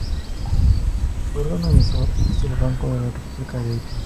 Su órgano emisor es el Banco de la República de Haití.